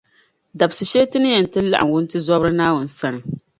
Dabsi’ shεli Ti ni yɛn ti laɣim wuntizɔriba Naawuni sani.